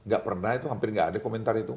gak pernah itu hampir nggak ada komentar itu